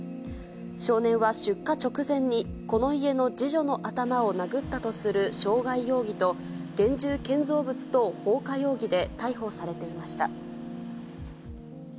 少年は出火直前に、この家の次女の頭を殴ったとする傷害容疑と、現住建造物等放火容疑で逮捕されていました。